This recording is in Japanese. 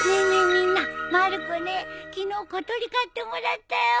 みんなまる子ね昨日小鳥買ってもらったよ。